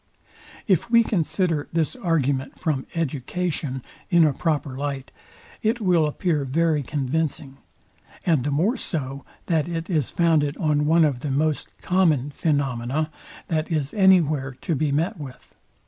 If we consider this argument from EDUCATION in a proper light, it will appear very convincing; and the more so, that it is founded on one of the most common phaenomena, that is any where to be met with.